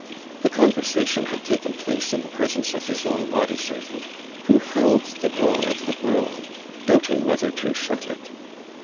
The conversation had taken place in the presence of his own body servant, who held the door of the brougham, doubting whether to shut it.